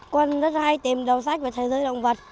con rất hay tìm đầu sách và thế giới động vật